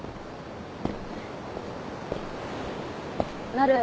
なる。